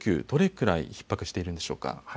どれぐらいひっ迫しているのでしょうか。